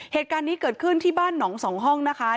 เหตุการณ์นี้เกิดขึ้นที่บ้านหนองสองห้องนะคะ